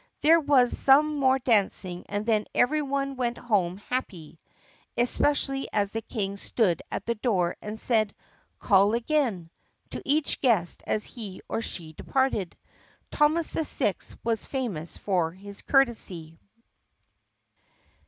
There was some more dancing and then every one went home happy, especially as the King stood at the door and said, "Call again," to each guest as he or she departed. Thomas VI was famous for his courtesy.